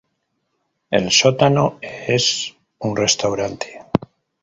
El sótano es un restaurante.